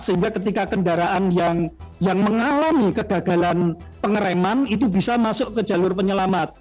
sehingga ketika kendaraan yang mengalami kegagalan pengereman itu bisa masuk ke jalur penyelamat